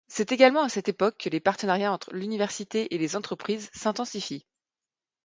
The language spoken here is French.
C'est également à cette époque que les partenariats entre l'université et les entreprises s'intensifient.